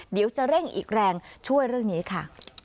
เดี๋ยวจะเร่งอีกแรงช่วยเรื่องนี้ค่ะ